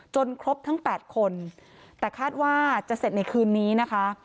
ครบทั้ง๘คนแต่คาดว่าจะเสร็จในคืนนี้นะคะ